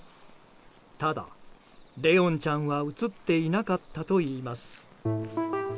ただ、怜音ちゃんは映っていなかったといいます。